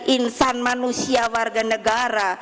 insan manusia warga negara